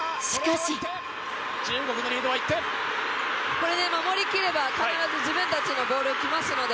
これ守りきれば必ず自分たちのボールきますので。